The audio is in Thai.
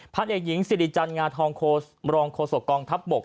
พันธุ์เอกหญิงสิริจันงาธองบรองโคสกองทัพบก